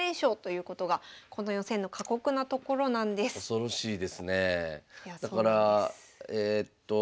恐ろしいですね。